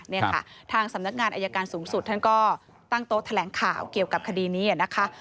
นี่ค่ะทางสำนักงานอายการสูงสุดท่านก็ตั้งโต๊ะแถลงข่าวเกี่ยวกับคดีนี้นะคะ